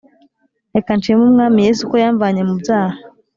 reka nshime umwami yesu ko yamvanye mu byaha